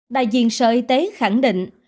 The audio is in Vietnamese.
đại diện sở y tế khẳng định